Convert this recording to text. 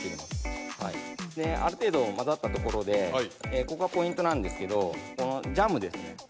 ある程度混ざったところでここがポイントなんですけどこのジャムですね。